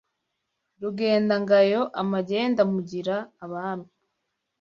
Rugenda ngayo amagenda mugira Abami